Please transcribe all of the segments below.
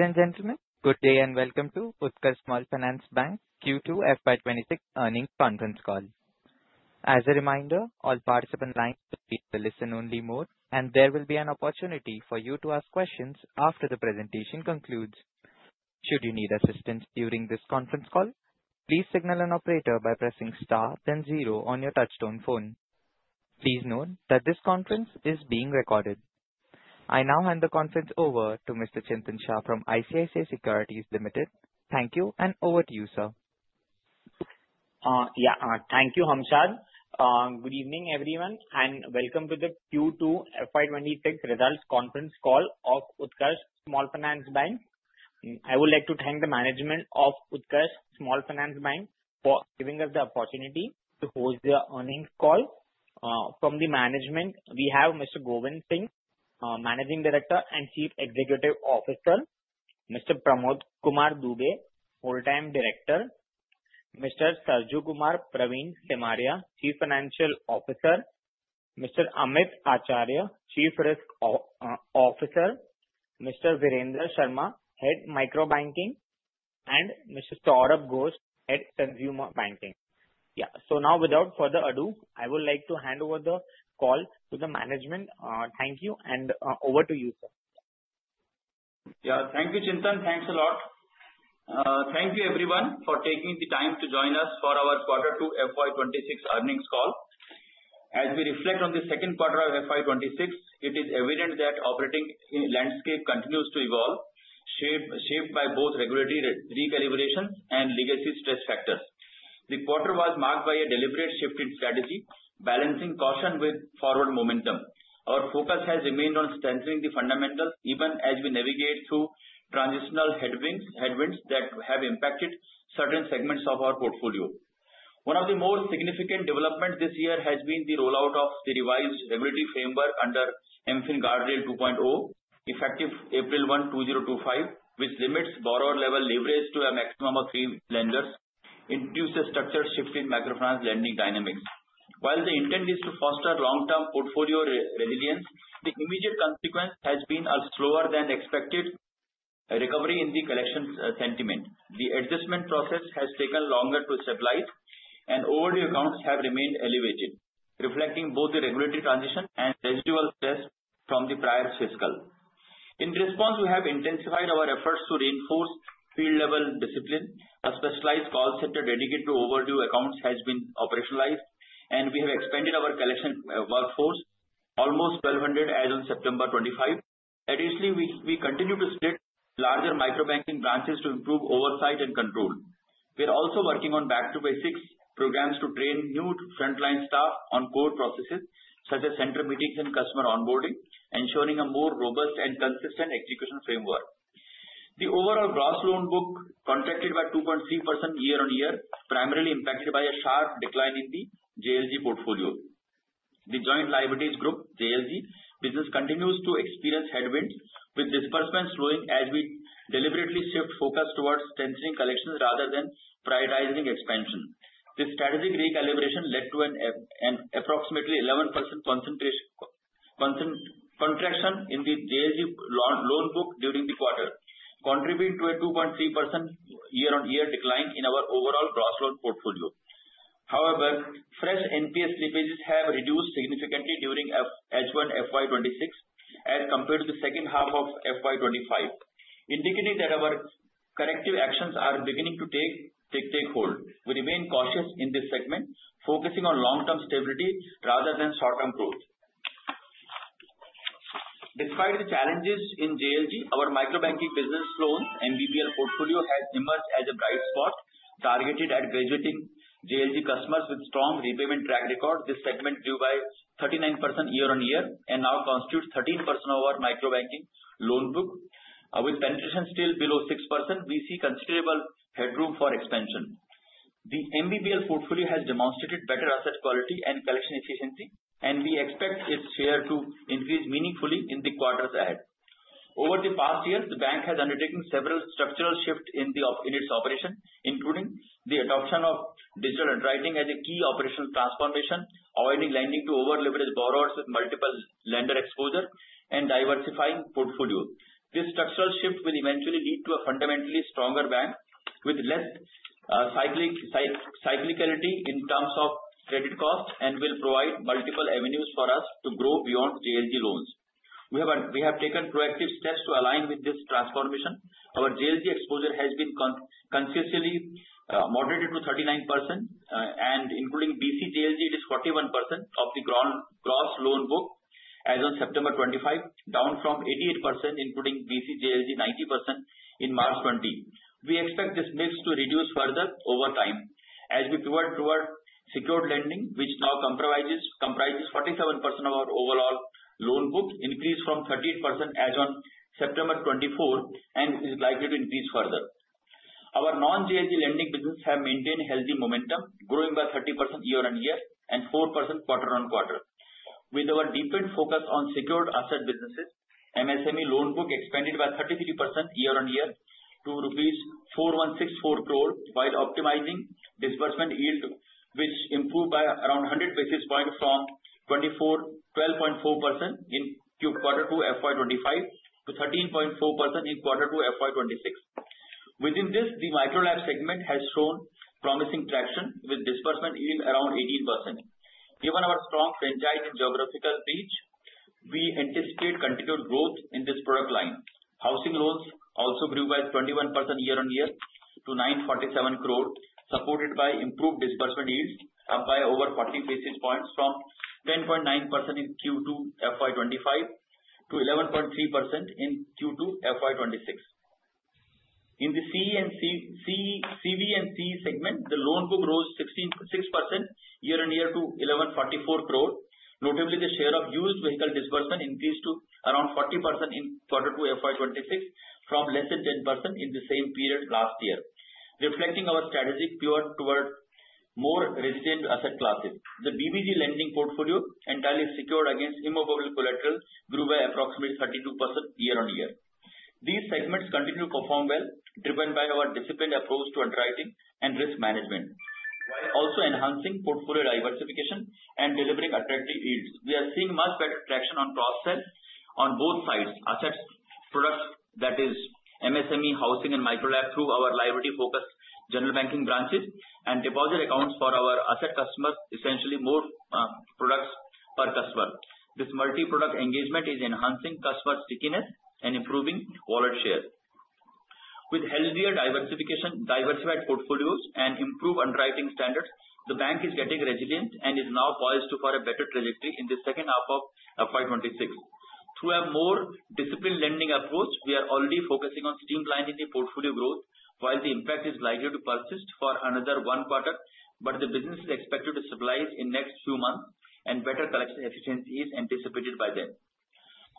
Gentlemen, good day and welcome to Utkarsh Small Finance Bank Q2 FY 2026 earnings conference call. As a reminder, all participants' lines will be in listen-only mode, and there will be an opportunity for you to ask questions after the presentation concludes. Should you need assistance during this conference call, please signal an operator by pressing star, then zero on your touch-tone phone. Please note that this conference is being recorded. I now hand the conference over to Mr. Chintan Shah from ICICI Securities Limited. Thank you, and over to you, sir. Yeah, thank you, Hamshad. Good evening, everyone, and welcome to the Q2 FY 2026 results conference call of Utkarsh Small Finance Bank. I would like to thank the management of Utkarsh Small Finance Bank for giving us the opportunity to host the earnings call. From the management, we have Mr. Govind Singh, Managing Director and Chief Executive Officer, Mr. Pramod Kumar Dubey, Full-time Director, Mr. Sarjukumar Pravin Simaria, Chief Financial Officer, Mr. Amit Acharya, Chief Risk Officer, Mr. Virendra Sharma, Head-Micro Banking, and Mr. Saurabh Ghosh, Head-Consumer Banking. Yeah, so now, without further ado, I would like to hand over the call to the management. Thank you, and over to you, sir. Yeah, thank you, Chintan. Thanks a lot. Thank you, everyone, for taking the time to join us for our Q2 FY 2026 earnings call. As we reflect on the second quarter of FY 2026, it is evident that the operating landscape continues to evolve, shaped by both regulatory recalibrations and legacy stress factors. The quarter was marked by a deliberate shift in strategy, balancing caution with forward momentum. Our focus has remained on strengthening the fundamentals even as we navigate through transitional headwinds that have impacted certain segments of our portfolio. One of the most significant developments this year has been the rollout of the revised regulatory framework under MFIN Guardrail 2.0, effective April 1, 2025, which limits borrower-level leverage to a maximum of three lenders, introducing a structured shift in microfinance lending dynamics. While the intent is to foster long-term portfolio resilience, the immediate consequence has been a slower-than-expected recovery in the collection sentiment. The adjustment process has taken longer to stabilize, and overdue accounts have remained elevated, reflecting both the regulatory transition and residual stress from the prior fiscal. In response, we have intensified our efforts to reinforce field-level discipline. A specialized call center dedicated to overdue accounts has been operationalized, and we have expanded our collection workforce, almost 1,200 as of September 25. Additionally, we continue to split larger Microbanking branches to improve oversight and control. We are also working on back-to-basics programs to train new frontline staff on core processes such as center meetings and customer onboarding, ensuring a more robust and consistent execution framework. The overall gross loan book contracted by 2.3% year-on-year is primarily impacted by a sharp decline in the JLG portfolio. The Joint Liability Group, JLG business, continues to experience headwinds, with disbursements slowing as we deliberately shift focus towards strengthening collections rather than prioritizing expansion. This strategic recalibration led to an approximately 11% contraction in the JLG loan book during the quarter, contributing to a 2.3% year-on-year decline in our overall gross loan portfolio. However, fresh NPA slippages have reduced significantly during H1 FY 2026 as compared to the second half of FY 2025, indicating that our corrective actions are beginning to take hold. We remain cautious in this segment, focusing on long-term stability rather than short-term growth. Despite the challenges in JLG, our Micro Banking Personal Loan MBPL portfolio has emerged as a bright spot, targeted at graduating JLG customers with a strong repayment track record. This segment grew by 39% year-on-year and now constitutes 13% of our Microbanking Loan Book. With penetrations still below 6%, we see considerable headroom for expansion. The MBPL portfolio has demonstrated better asset quality and collection efficiency, and we expect its share to increase meaningfully in the quarters ahead. Over the past year, the bank has undertaken several structural shifts in its operation, including the adoption of digital underwriting as a key operational transformation, avoiding lending to over-leveraged borrowers with multiple lender exposure, and diversifying portfolio. This structural shift will eventually lead to a fundamentally stronger bank with less cyclicality in terms of credit cost and will provide multiple avenues for us to grow beyond JLG loans. We have taken proactive steps to align with this transformation. Our JLG exposure has been consistently moderated to 39%, and including BC JLG, it is 41% of the gross loan book as of September 2025, down from 88%, including BC JLG, 90% in March 2020. We expect this mix to reduce further over time as we pivot toward secured lending, which now comprises 47% of our overall loan book, increased from 38% as of September 24 and is likely to increase further. Our non-JLG lending business has maintained healthy momentum, growing by 30% year-on-year and 4% quarter-on-quarter. With our deepened focus on secured asset businesses, MSME loan book expanded by 33% year-on-year to rupees 4,164 crore, while optimizing disbursement yield, which improved by around 100 basis points from 12.4% in Q2 FY 2025 to 13.4% in Q2 FY 2026. Within this, the Micro-LAP segment has shown promising traction with disbursement yield around 18%. Given our strong franchise and geographical reach, we anticipate continued growth in this product line. Housing loans also grew by 21% year-on-year to ₹947 crore, supported by improved disbursement yields up by over 40 basis points from 10.9% in Q2 FY 2025 to 11.3% in Q2 FY 2026. In the CV and CE segment, the loan book rose 6% year-on-year to ₹1144 crore. Notably, the share of used vehicle disbursement increased to around 40% in Q2 FY 2026 from less than 10% in the same period last year, reflecting our strategic pivot toward more resilient asset classes. The BBG lending portfolio, entirely secured against immovable collateral, grew by approximately 32% year-on-year. These segments continue to perform well, driven by our disciplined approach to underwriting and risk management, also enhancing portfolio diversification and delivering attractive yields. We are seeing much better traction on cross-sell on both sides, asset products, that is, MSME, housing, and Micro-LAP through our liability-focused general banking branches and deposit accounts for our asset customers, essentially more products per customer. This multi-product engagement is enhancing customer stickiness and improving wallet share. With healthier diversification, diversified portfolios, and improved underwriting standards, the bank is getting resilient and is now poised for a better trajectory in the second half of FY 2026. Through a more disciplined lending approach, we are already focusing on streamlining the portfolio growth, while the impact is likely to persist for another one quarter, but the business is expected to stabilize in the next few months, and better collection efficiency is anticipated by then.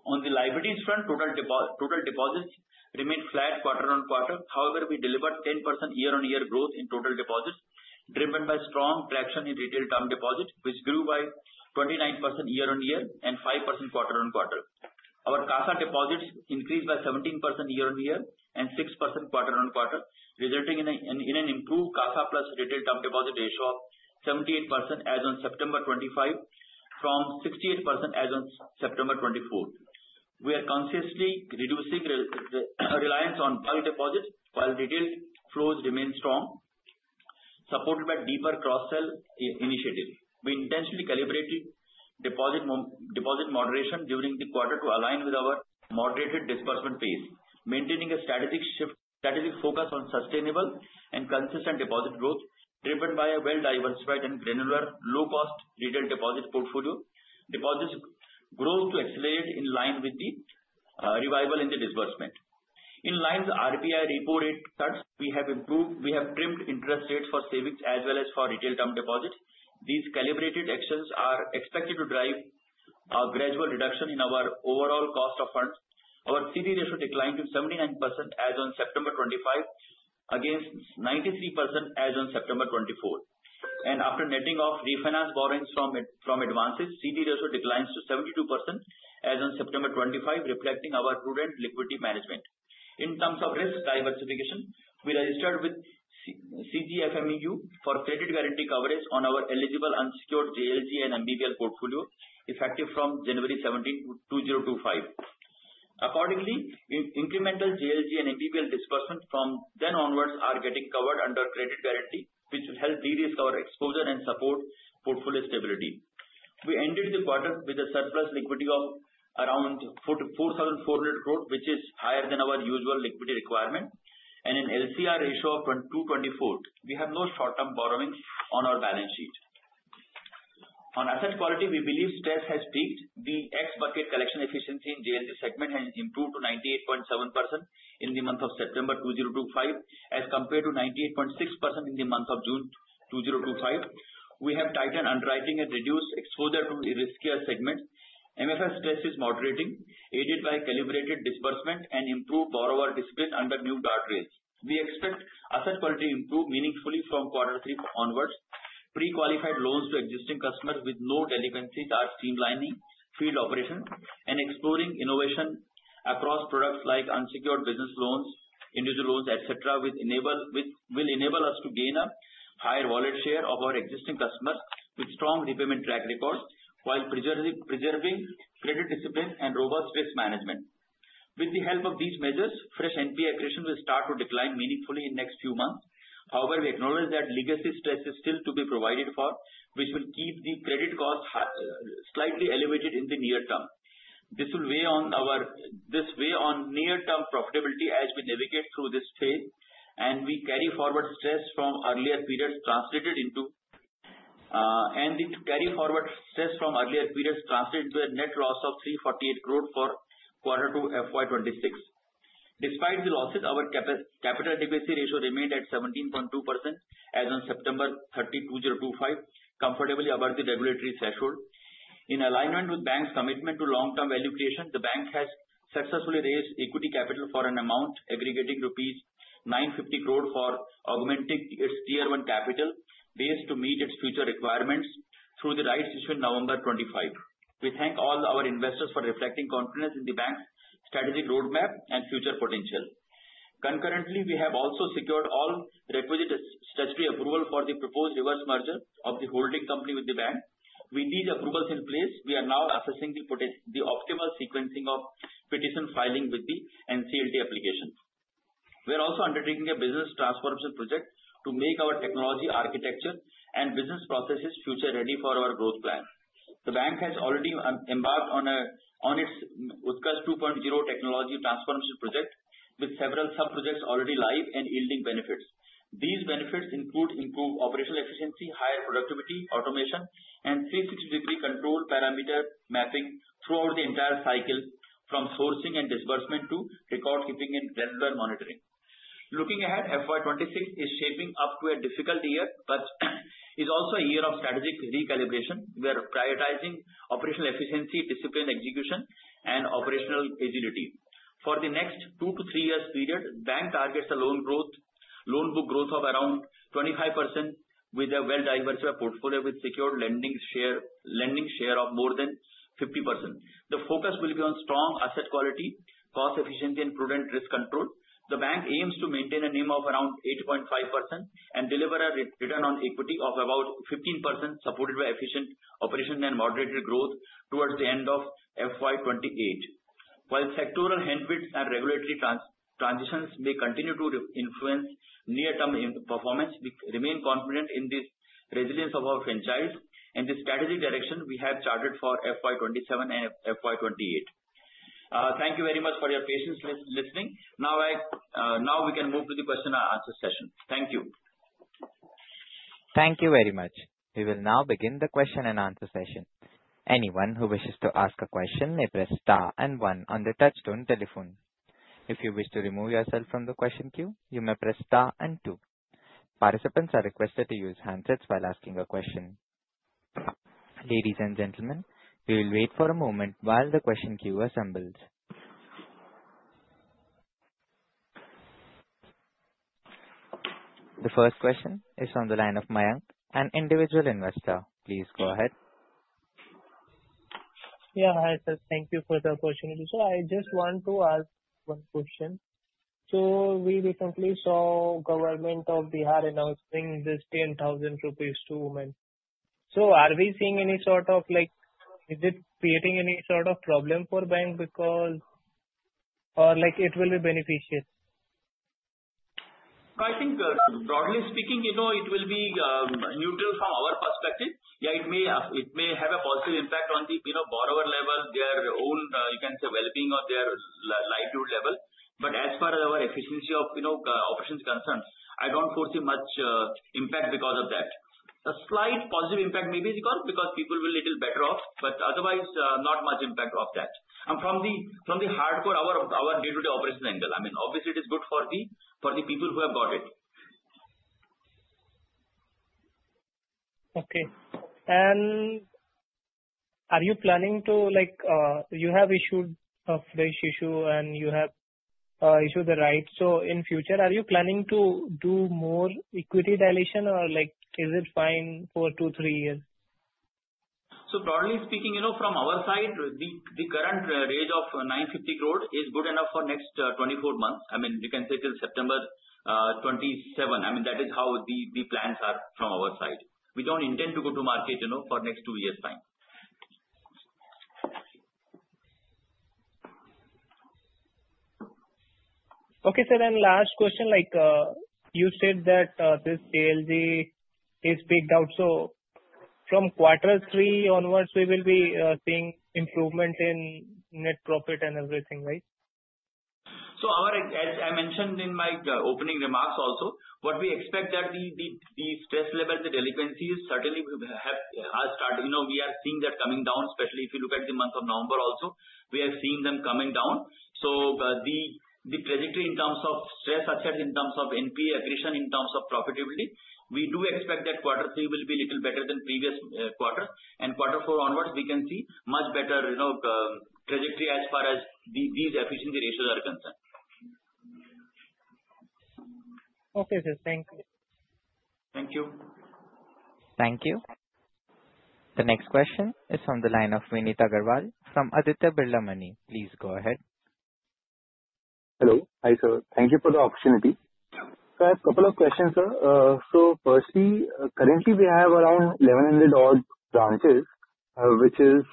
On the liabilities front, total deposits remain flat quarter-on-quarter. However, we delivered 10% year-on-year growth in total deposits, driven by strong traction in retail term deposits, which grew by 29% year-on-year and 5% quarter-on-quarter. Our CASA deposits increased by 17% year-on-year and 6% quarter-on-quarter, resulting in an improved CASA plus retail term deposit ratio of 78% as of September 2025 from 68% as of September 2024. We are consistently reducing reliance on bulk deposits while retail flows remain strong, supported by deeper cross-sell initiative. We intentionally calibrated deposit moderation during the quarter to align with our moderated disbursement pace, maintaining a strategic focus on sustainable and consistent deposit growth, driven by a well-diversified and granular low-cost retail deposit portfolio. Deposits growth to accelerate in line with the revival in the disbursement. In line with RBI reported cuts, we have trimmed interest rates for savings as well as for retail term deposits. These calibrated actions are expected to drive a gradual reduction in our overall cost of funds. Our CD ratio declined to 79% as of September 25, against 93% as of September 24, and after netting off refinance borrowings from advances, CD ratio declines to 72% as of September 25, reflecting our prudent liquidity management. In terms of risk diversification, we registered with CGFMU for credit guarantee coverage on our eligible unsecured JLG and MBPL portfolio, effective from January 17, 2025. Accordingly, incremental JLG and MBPL disbursements from then onwards are getting covered under credit guarantee, which will help de-risk our exposure and support portfolio stability. We ended the quarter with a surplus liquidity of around 4,400 crore, which is higher than our usual liquidity requirement, and an LCR ratio of 224%. We have no short-term borrowings on our balance sheet. On asset quality, we believe stress has peaked. The ex-bucket collection efficiency in JLG segment has improved to 98.7% in the month of September 2025, as compared to 98.6% in the month of June 2025. We have tightened underwriting and reduced exposure to riskier segments. MFI stress is moderating, aided by calibrated disbursement and improved borrower discipline under new guardrails. We expect asset quality to improve meaningfully from quarter 3 onwards. Pre-qualified loans to existing customers with no delinquencies are streamlining field operations and exploring innovation across products like unsecured business loans, individual loans, etc., which will enable us to gain a higher wallet share of our existing customers with strong repayment track record, while preserving credit discipline and robust risk management. With the help of these measures, fresh NPA accretion will start to decline meaningfully in the next few months. However, we acknowledge that legacy stress is still to be provided for, which will keep the credit cost slightly elevated in the near term. This will weigh on our near-term profitability as we navigate through this phase, and carry forward stress from earlier periods translated into a net loss of ₹348 crore for Q2 FY 2026. Despite the losses, our capital deficit ratio remained at 17.2% as of September 30, 2025, comfortably above the regulatory threshold. In alignment with the bank's commitment to long-term valuation, the bank has successfully raised equity capital for an amount aggregating ₹950 crore for augmenting its Tier 1 capital base to meet its future requirements through the rights issue in November 2025. We thank all our investors for reflecting confidence in the bank's strategic roadmap and future potential. Concurrently, we have also secured all requisite statutory approval for the proposed reverse merger of the holding company with the bank. With these approvals in place, we are now assessing the optimal sequencing of petition filing with the NCLT application. We are also undertaking a business transformation project to make our technology architecture and business processes future-ready for our growth plan. The bank has already embarked on its Utkarsh 2.0 technology transformation project, with several sub-projects already live and yielding benefits. These benefits include improved operational efficiency, higher productivity, automation, and 360-degree control parameter mapping throughout the entire cycle, from sourcing and disbursement to record-keeping and granular monitoring. Looking ahead, FY 2026 is shaping up to a difficult year, but it is also a year of strategic recalibration, where prioritizing operational efficiency, discipline execution, and operational agility. For the next two to three years period, the bank targets a loan book growth of around 25% with a well-diversified portfolio with secured lending share of more than 50%. The focus will be on strong asset quality, cost efficiency, and prudent risk control. The bank aims to maintain a NIM of around 8.5% and deliver a return on equity of about 15%, supported by efficient operation and moderated growth towards the end of FY 2028. While sectoral headwinds and regulatory transitions may continue to influence near-term performance, we remain confident in the resilience of our franchise and the strategic direction we have charted for FY 2027 and FY 2028. Thank you very much for your patient listening. Now we can move to the question and answer session. Thank you. Thank you very much. We will now begin the question and answer session. Anyone who wishes to ask a question may press star and one on the touch-tone telephone. If you wish to remove yourself from the question queue, you may press star and two. Participants are requested to use handsets while asking a question. Ladies and gentlemen, we will wait for a moment while the question queue assembles. The first question is from the line of Mayank, an Individual Investor. Please go ahead. Yeah, hi sir. Thank you for the opportunity. So I just want to ask one question. So we recently saw the government of Bihar announcing this 10,000 rupees to women. So are we seeing any sort of, is it creating any sort of problem for the bank because it will be beneficial? I think broadly speaking, it will be neutral from our perspective. Yeah, it may have a positive impact on the borrower level, their own, you can say, well-being or their livelihood level. But as far as our efficiency of operations is concerned, I don't foresee much impact because of that. A slight positive impact maybe because people will be a little better off, but otherwise, not much impact of that. And from the hardcore, our day-to-day operations angle, I mean, obviously, it is good for the people who have got it. Okay. And are you planning to, you have issued a fresh issue and you have issued the rights. So in future, are you planning to do more equity dilution or is it fine for two, three years? So broadly speaking, from our side, the current range of 950 crore is good enough for the next 24 months. I mean, you can say till September 27. I mean, that is how the plans are from our side. We don't intend to go to market for the next two years' time. Okay, sir. And last question, you said that this JLG is picked out. So from quarter 3 onwards, we will be seeing improvement in net profit and everything, right? So as I mentioned in my opening remarks also, what we expect that the stress level, the delinquencies certainly have started. We are seeing that coming down, especially if you look at the month of November also, we have seen them coming down. So the trajectory in terms of stress, such as in terms of NPA accretion, in terms of profitability, we do expect that quarter 3 will be a little better than previous quarters. And quarter 4 onwards, we can see much better trajectory as far as these efficiency ratios are concerned. Okay, sir. Thank you. Thank you. Thank you. The next question is from the line of Vinit Agarwal from Adity Birla Money. Please go ahead. Hello. Hi, sir. Thank you for the opportunity. So, I have a couple of questions, sir. So, firstly, currently, we have around 1,100 odd branches, which is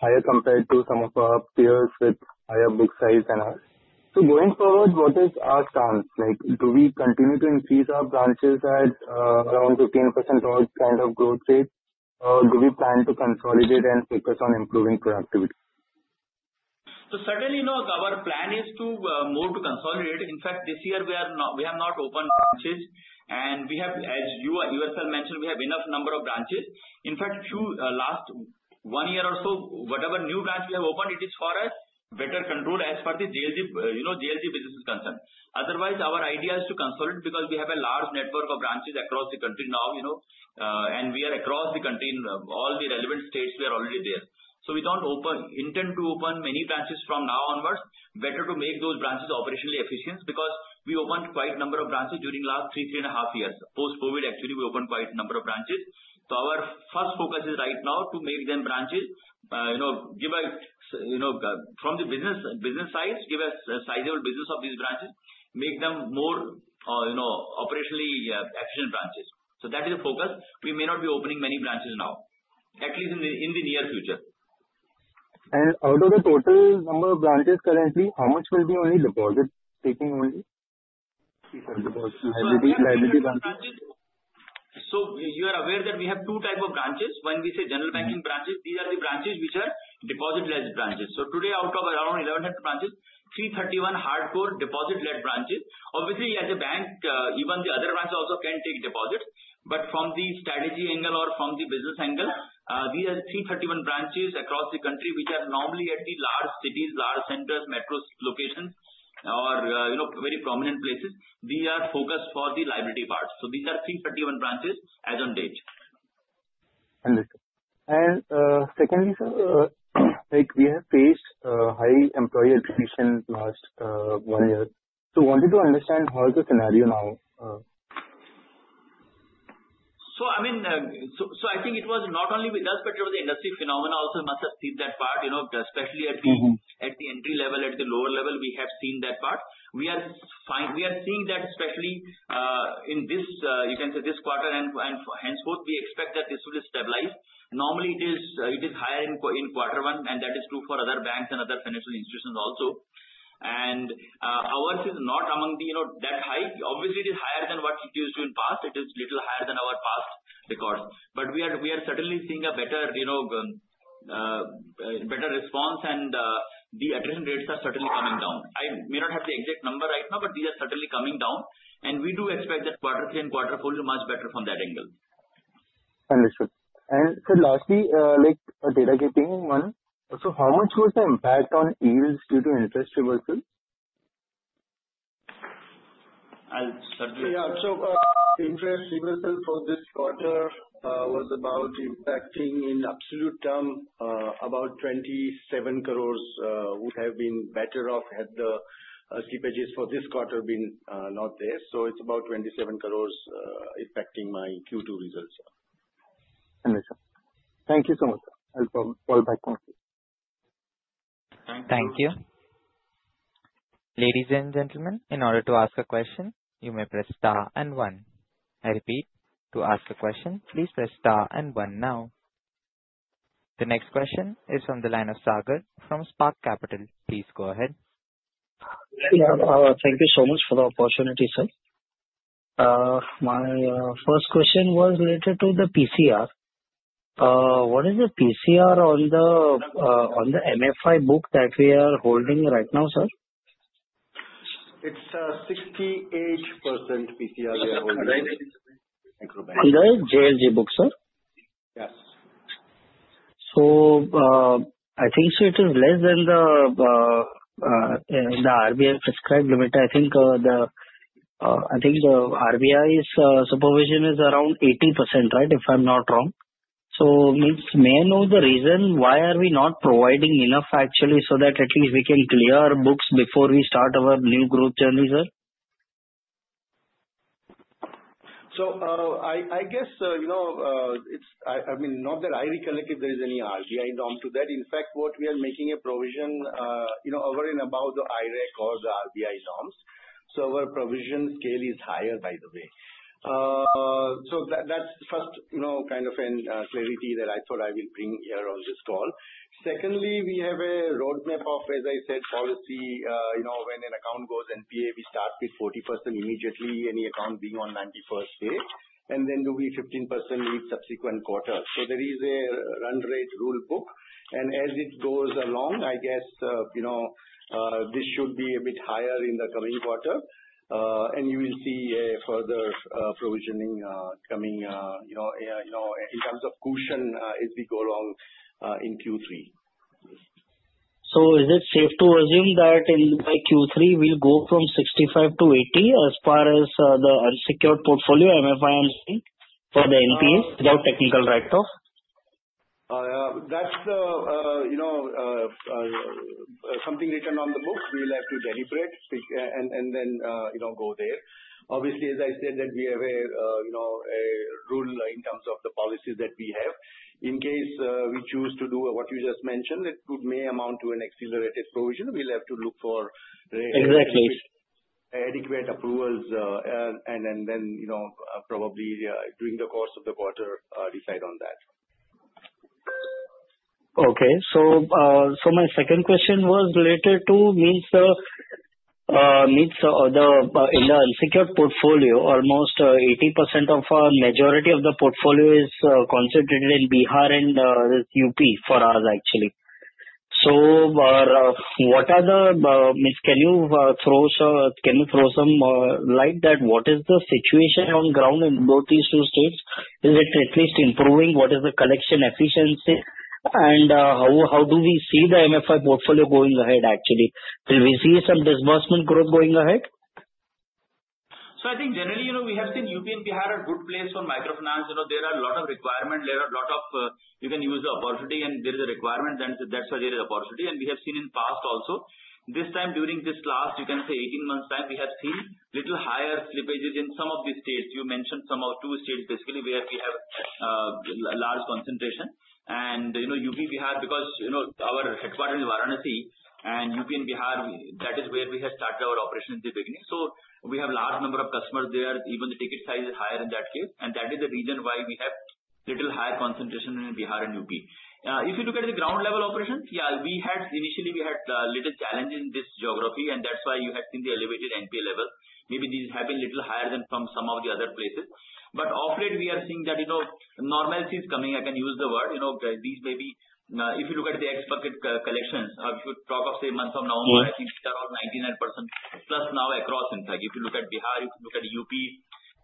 higher compared to some of our peers with higher book size than us. So, going forward, what is our stance? Do we continue to increase our branches at around 15% odd kind of growth rate, or do we plan to consolidate and focus on improving productivity? So, certainly, our plan is to move to consolidate. In fact, this year, we have not opened branches. And as you yourself mentioned, we have enough number of branches. In fact, last one year or so, whatever new branch we have opened, it is for a better control as far as the JLG business is concerned. Otherwise, our idea is to consolidate because we have a large network of branches across the country now, and we are across the country in all the relevant states. We are already there. So we don't intend to open many branches from now onwards. Better to make those branches operationally efficient because we opened quite a number of branches during the last three, three and a half years. Post-COVID, actually, we opened quite a number of branches. So our first focus is right now to make them branches, give a from the business side, give a sizable business of these branches, make them more operationally efficient branches. So that is the focus. We may not be opening many branches now, at least in the near future. Out of the total number of branches currently, how much will be only deposit taking only? So you are aware that we have two types of branches. When we say general banking branches, these are the branches which are deposit-led branches. So today, out of around 1,100 branches, 331 hardcore deposit-led branches. Obviously, as a bank, even the other branches also can take deposits. But from the strategy angle or from the business angle, these are 331 branches across the country which are normally at the large cities, large centers, metro locations, or very prominent places. They are focused for the liability part. So these are 331 branches as of date. Understood. And secondly, sir, we have faced high employee attrition last one year. So I wanted to understand how is the scenario now? So I mean, so I think it was not only with us, but it was the industry phenomenon also. Must have seen that part, especially at the entry level, at the lower level, we have seen that part. We are seeing that especially in this, you can say, this quarter, and henceforth, we expect that this will stabilize. Normally, it is higher in Q1, and that is true for other banks and other financial institutions also, and ours is not among that high. Obviously, it is higher than what it used to in the past. It is a little higher than our past records. But we are certainly seeing a better response, and the attrition rates are certainly coming down. I may not have the exact number right now, but these are certainly coming down, and we do expect that quarter 3 and quarter 4 will be much better from that angle. Understood, and sir, lastly, the last one, so how much was the impact on yields due to interest reversals? Yeah. So interest reversals for this quarter was about impacting in absolute terms about 27 crores would have been better off had the slippages for this quarter been not there. So it's about 27 crores impacting my Q2 results. Understood. Thank you so much, sir. I'll call back. Thank you. Thank you. Ladies and gentlemen, in order to ask a question, you may press star and one. I repeat, to ask a question, please press star and one now. The next question is from the line of Sagar from Spark Capital. Please go ahead. Thank you so much for the opportunity, sir. My first question was related to the PCR. What is the PCR on the MFI book that we are holding right now, sir? It's 68% PCR we are holding. Under the JLG book, sir? Yes. So I think it is less than the RBI prescribed limit. I think the RBI's supervision is around 80%, right, if I'm not wrong? So may I know the reason why are we not providing enough, actually, so that at least we can clear our books before we start our new growth journey, sir? So I guess, I mean, not that I recollect if there is any RBI norm to that. In fact, what we are making a provision over and above the IRAC or the RBI norms. So our provision scale is higher, by the way. So that's the first kind of clarity that I thought I will bring here on this call. Secondly, we have a roadmap of, as I said, policy. When an account goes NPA, we start with 40% immediately, any account being on 91st day. And then we do 15% in subsequent quarters. So there is a run rate rule book. As it goes along, I guess this should be a bit higher in the coming quarter. You will see further provisioning coming in terms of cushion as we go along in quarter 3. Is it safe to assume that in quarter 3, we'll go from 65% to 80% as far as the unsecured portfolio microfinance for the NPAs without technical write-off? That's something written on the books. We will have to deliberate and then go there. Obviously, as I said, we have a rule in terms of the policies that we have. In case we choose to do what you just mentioned, it may amount to an accelerated provision. We'll have to look for adequate approvals and then probably during the course of the quarter decide on that. Okay. My second question was related to means in the unsecured portfolio. Almost 80% of our majority of the portfolio is concentrated in Bihar and UP for us, actually. So what are the, can you throw some light that what is the situation on the ground in both these two states? Is it at least improving? What is the collection efficiency? And how do we see the MFI portfolio going ahead, actually? Will we see some disbursement growth going ahead? So I think generally, we have seen UP and Bihar are good places for microfinance. There are a lot of requirements. There are a lot of, you can use the opportunity, and there is a requirement. That's why there is opportunity. And we have seen in the past also. This time, during this last, you can say 18 months' time, we have seen a little higher slippages in some of these states. You mentioned some of two states, basically, where we have a large concentration. And UP and Bihar, because our headquarters is Varanasi, and UP and Bihar, that is where we have started our operations in the beginning. So we have a large number of customers there. Even the ticket size is higher in that case. And that is the reason why we have a little higher concentration in Bihar and UP. If you look at the ground-level operations, yeah, initially, we had a little challenge in this geography, and that's why you have seen the elevated NPA level. Maybe these have been a little higher than from some of the other places. But of late, we are seeing that normalcy is coming. I can use the word. These may be, if you look at the ex-bucket collections, if you talk of, say, a month from now, I think we are on 99% plus now across, in fact. If you look at Bihar, if you look at UP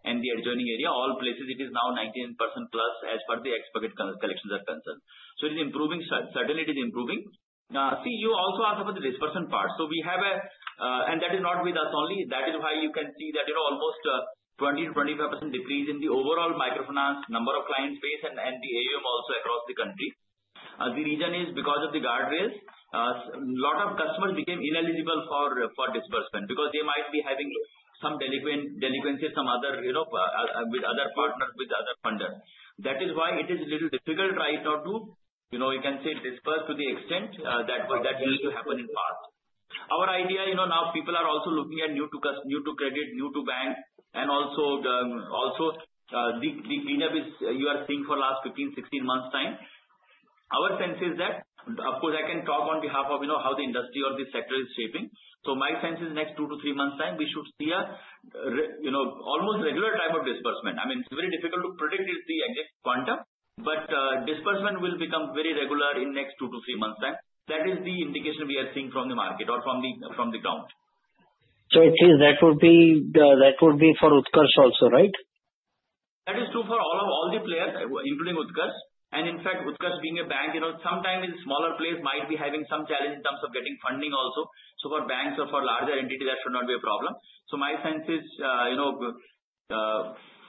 and the adjoining area, all places, it is now 99% plus as far as the ex-bucket collections are concerned, so it is improving. Certainly, it is improving. See, you also asked about the disbursement part, so we have a, and that is not with us only. That is why you can see that almost 20%-25% decrease in the overall microfinance number of clients based and the AUM also across the country. The reason is because of the guard rails. A lot of customers became ineligible for disbursement because they might be having some delinquencies, some other with other partners, with other funders. That is why it is a little difficult right now to, you can say, disburse to the extent that need to happen in the past. Our idea, now people are also looking at new-to-credit, new-to-bank, and also the cleanup you are seeing for the last 15, 16 months' time. Our sense is that, of course, I can talk on behalf of how the industry or the sector is shaping. So my sense is next two to three months' time, we should see almost regular type of disbursement. I mean, it's very difficult to predict. It's the exact quanta, but disbursement will become very regular in the next two to three months' time. That is the indication we are seeing from the market or from the ground. So it is that would be for Utkarsh also, right? That is true for all the players, including Utkarsh. And in fact, Utkarsh being a bank, sometimes smaller players might be having some challenge in terms of getting funding also. So for banks or for larger entities, that should not be a problem. So my sense is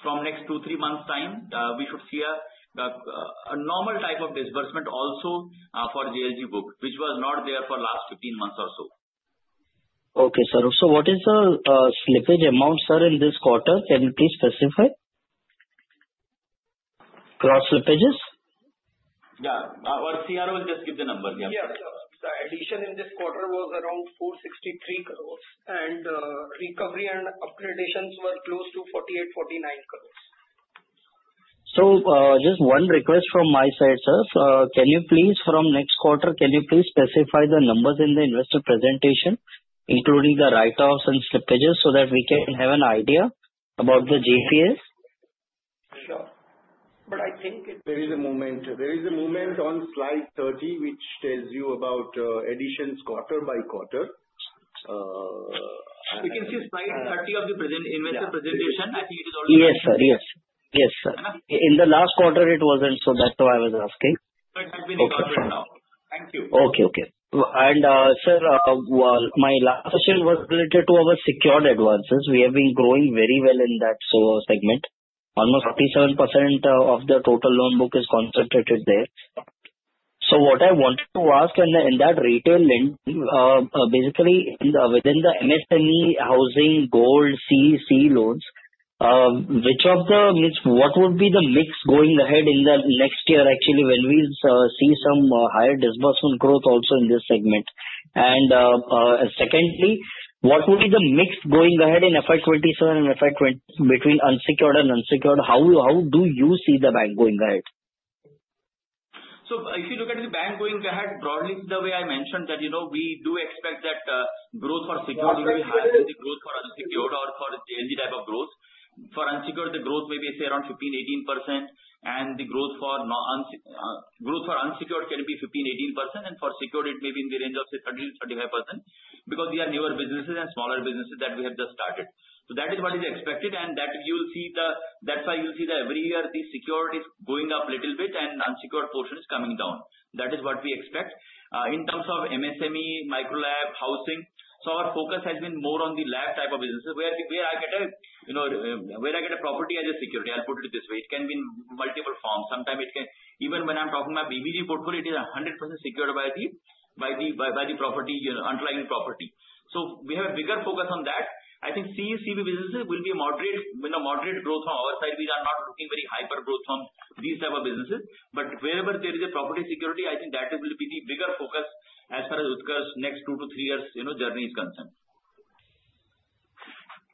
from next two to three months' time, we should see a normal type of disbursement also for JLG book, which was not there for the last 15 months or so. Okay, sir. So what is the slippage amount, sir, in this quarter? Can you please specify? Gross slippages? Yeah. Our CRO will just give the number. Yeah. Yeah. So addition in this quarter was around 463 crores, and recovery and upgradations were close to 48, 49 crores. So just one request from my side, sir. Can you please, from next quarter, can you please specify the numbers in the investor presentation, including the write-offs and slippages, so that we can have an idea about the GNPA As? Sure. But I think there is a movement. There is a movement on slide 30, which tells you about additions quarter by quarter. We can see slide 30 of the investor presentation. I think it is already. Yes, sir. Yes. Yes, sir. In the last quarter, it wasn't, so that's why I was asking. So it has been recorded now. Thank you. Okay. Okay. And sir, my last question was related to our secured advances. We have been growing very well in that segment. Almost 47% of the total loan book is concentrated there. What I wanted to ask in that retail lend, basically within the MSME, housing, gold, CV & CE loans, which of the, what would be the mix going ahead in the next year, actually, when we see some higher disbursement growth also in this segment? Secondly, what would be the mix going ahead in FY 2027 and FY between unsecured and secured? How do you see the bank going ahead? If you look at the bank going ahead, broadly, the way I mentioned that we do expect that growth for secured will be higher than the growth for unsecured or for JLG type of growth. For unsecured, the growth may be around 15%-18%, and for secured, it may be in the range of 30%-35% because these are newer businesses and smaller businesses that we have just started. So that is what is expected, and that you will see the, that's why you'll see that every year the secured is going up a little bit and unsecured portion is coming down. That is what we expect. In terms of MSME, Micro-LAP, housing, so our focus has been more on the lab type of businesses where I get a property as a security. I'll put it this way. It can be in multiple forms. Sometimes it can, even when I'm talking about BBG portfolio, it is 100% secured by the property, underlying property. So we have a bigger focus on that. I think CV/CE businesses will be a moderate growth from our side. We are not looking very hyper growth from these type of businesses. But wherever there is a property security, I think that will be the bigger focus as far as Utkarsh's next two-to-three years' journey is concerned.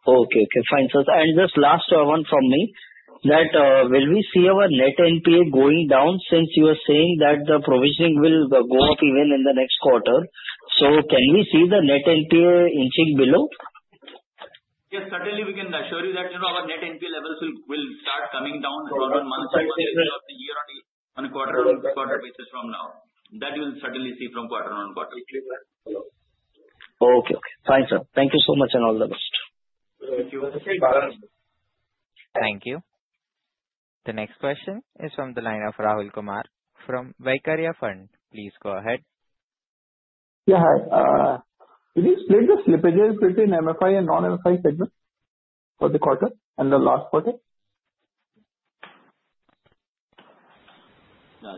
Okay. Okay. Fine. And just last one from me, that will we see our net NPA going down since you are saying that the provisioning will go up even in the next quarter? So can we see the net NPA inching below? Yes. Certainly, we can assure you that our net NPA levels will start coming down on a monthly basis or a quarter-on-quarter basis from now. That you will certainly see from quarter-on-quarter. Okay. Okay. Fine. Sir. Thank you so much and all the best. Thank you. Thank you. The next question is from the line of Rahul Kumar from Valcreate Investment Managers. Please go ahead. Yeah. Hi. Can you explain the slippages between MFI and non-MFI segment for the quarter and the last quarter?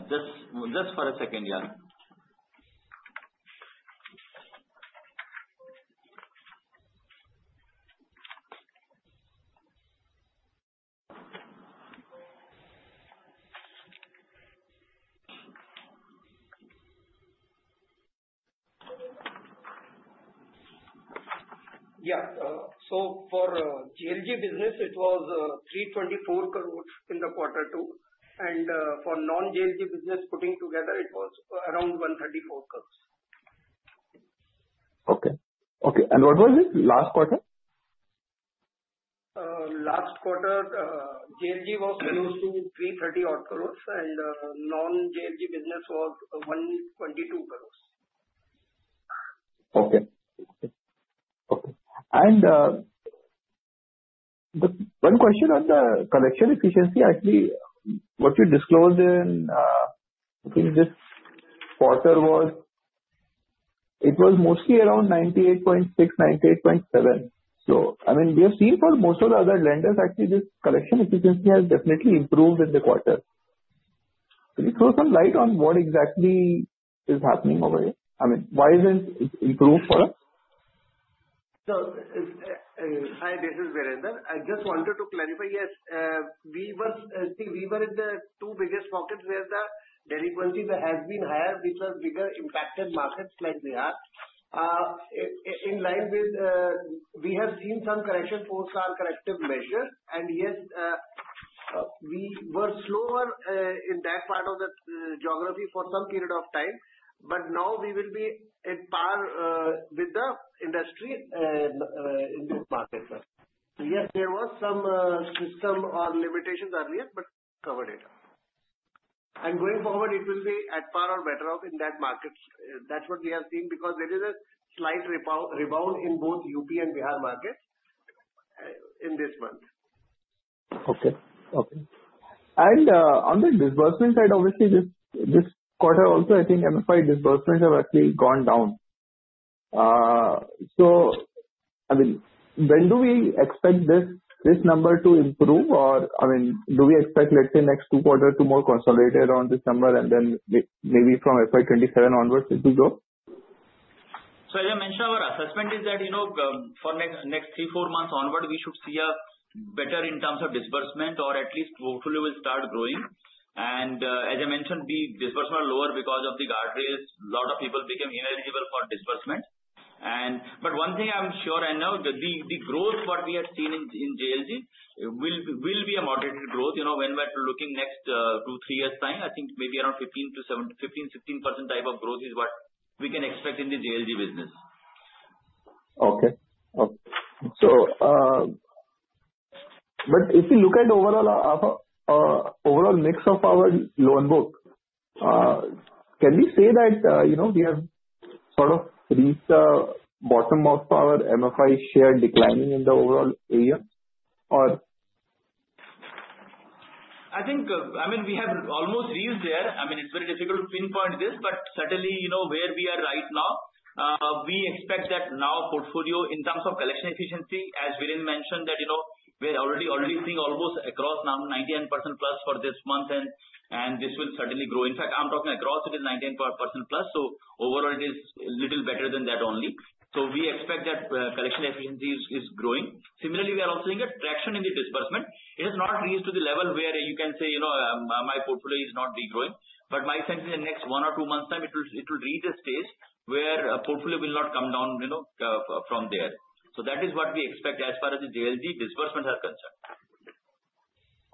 Just for a second, yeah. Yeah. So for JLG business, it was 324 crore in the quarter two. And for non-JLG business putting together, it was around 134 crore. Okay. Okay. And what was it last quarter? Last quarter, JLG was close to 330 crore, and non-JLG business was 122 crore. Okay. Okay. Okay. And one question on the collection efficiency, actually, what you disclosed in this quarter was it was mostly around 98.6%, 98.7%. So I mean, we have seen for most of the other lenders, actually, this collection efficiency has definitely improved in the quarter. Can you throw some light on what exactly is happening over here? I mean, why hasn't it improved for us? So hi, this is Virendra. I just wanted to clarify. Yes, we were in the two biggest pockets where the delinquency has been higher, which was bigger impacted markets like Bihar. In line with, we have seen some correction post-corrective measures. And yes, we were slower in that part of the geography for some period of time, but now we will be on par with the industry in this market. So yes, there was some system or limitations earlier, but covered it. And going forward, it will be on par or better off in that market. That's what we have seen because there is a slight rebound in both UP and Bihar markets in this month. Okay. Okay. And on the disbursement side, obviously, this quarter also, I think MFI disbursements have actually gone down. So I mean, when do we expect this number to improve? Or I mean, do we expect, let's say, next two quarters to more consolidated around this number, and then maybe from FY 2027 onwards it will go? So as I mentioned, our assessment is that for next three, four months onward, we should see a better in terms of disbursement or at least portfolio will start growing. And as I mentioned, the disbursement was lower because of the guard rails. A lot of people became ineligible for disbursement. But one thing I'm sure I know, the growth what we have seen in JLG will be a moderate growth. When we're looking next two, three years' time, I think maybe around 15%-16% type of growth is what we can expect in the JLG business. Okay. Okay. But if you look at overall mix of our loan book, can we say that we have sort of reached the bottom of our MFI share declining in the overall area? Or? I mean, we have almost reached there. I mean, it's very difficult to pinpoint this, but certainly where we are right now, we expect that now portfolio in terms of collection efficiency, as Virendra mentioned, that we are already seeing almost across now 99% plus for this month, and this will certainly grow. In fact, I'm talking across, it is 99% plus. So overall, it is a little better than that only. So we expect that collection efficiency is growing. Similarly, we are also seeing a traction in the disbursement. It has not reached to the level where you can say my portfolio is not regrowing. But my sense is in the next one or two months' time, it will reach a stage where portfolio will not come down from there. So that is what we expect as far as the JLG disbursements are concerned.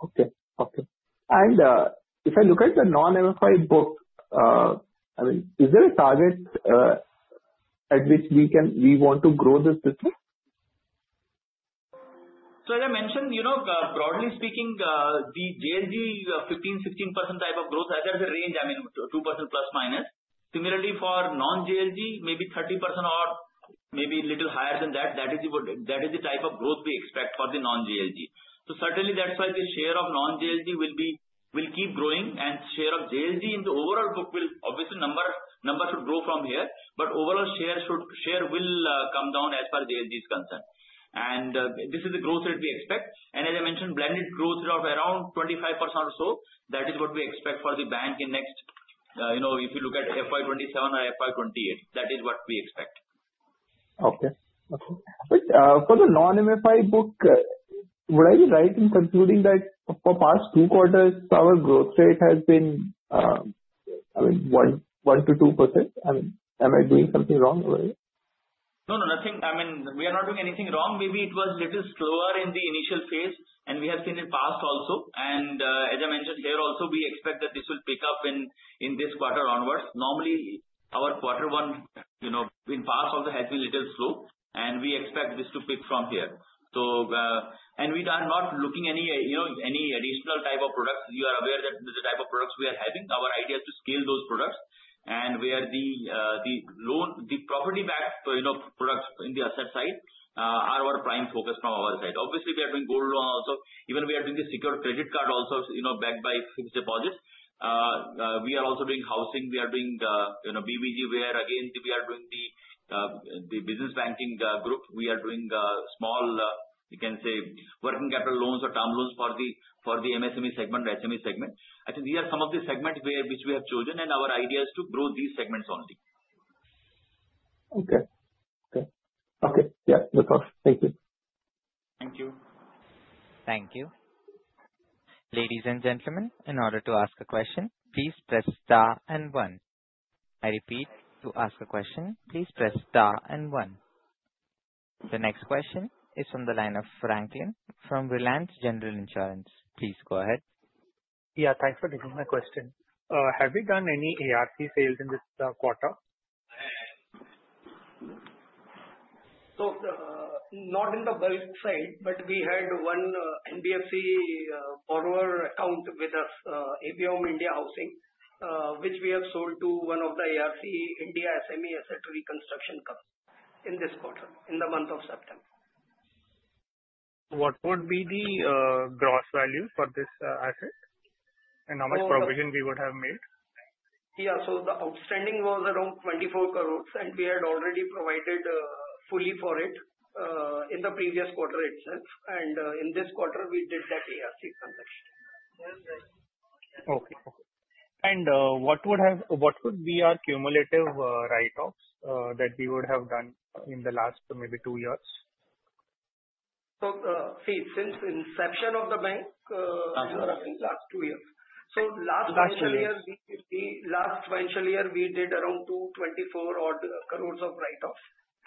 Okay. Okay. And if I look at the non-MFI book, I mean, is there a target at which we want to grow this business? So as I mentioned, broadly speaking, the JLG 15%-16% type of growth, that is a range, I mean, 2% plus minus. Similarly, for non-JLG, maybe 30% or maybe a little higher than that. That is the type of growth we expect for the non-JLG. So certainly, that's why the share of non-JLG will keep growing, and share of JLG in the overall book will obviously number should grow from here, but overall share will come down as far as JLG is concerned. This is the growth rate we expect. As I mentioned, blended growth around 25% or so, that is what we expect for the bank in next, if you look at FY 2027 or FY 2028. That is what we expect. Okay. Okay. For the non-MFI book, would I be right in concluding that for past two quarters, our growth rate has been, I mean, 1%-2%? I mean, am I doing something wrong over here? No, no, nothing. I mean, we are not doing anything wrong. Maybe it was a little slower in the initial phase, and we have seen it past also. As I mentioned here, also we expect that this will pick up in this quarter onwards. Normally, our quarter one in past also has been a little slow, and we expect this to pick from here. We are not looking any additional type of products. You are aware that the type of products we are having, our idea is to scale those products. Where the property-backed products in the asset side are our prime focus from our side. Obviously, we are doing gold loan also. Even we are doing the secured credit card also backed by fixed deposits. We are also doing housing. We are doing BBG, where again, we are doing the business banking group. We are doing small, you can say, working capital loans or term loans for the MSME segment, SME segment. I think these are some of the segments which we have chosen, and our idea is to grow these segments only. Okay. Okay. Okay. Yeah. No problem. Thank you. Thank you. Thank you. Ladies and gentlemen, in order to ask a question, please press star and one. I repeat, to ask a question, please press star and one. The next question is from the line of Franklin from Reliance General Insurance. Please go ahead. Yeah. Thanks for taking my question. Have we done any ARC sales in this quarter? So not in the bulk side, but we had one NBFC borrower account with us, Aviom India Housing, which we have sold to ISARC in this quarter, in the month of September. What would be the gross value for this asset and how much provision we would have made? Yeah. So the outstanding was around 24 crore, and we had already provided fully for it in the previous quarter itself. And in this quarter, we did that ARC transaction. Okay. Okay. And what would be our cumulative write-offs that we would have done in the last maybe two years? Since inception of the bank, I mean, last two years. Last financial year, we did around 224 crore of